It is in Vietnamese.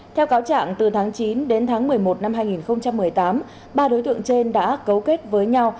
theo cáo trạng từ tháng chín đến tháng một mươi một năm hai nghìn một mươi tám ba đối tượng trên đã cấu kết với nhau